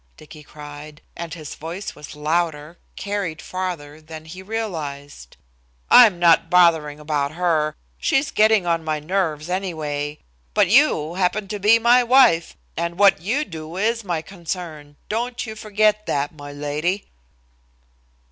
Dicky cried, and his voice was louder, carried farther than he realized. "I'm not bothering about her. She's getting on my nerves anyway; but you happen to be my wife, and what you do is my concern, don't you forget that, my lady."